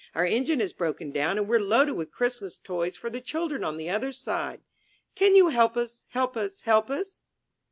Our engine has broken down, and we're loaded with Christmas toys for the children on the other side. Can you help us, help us, help us?''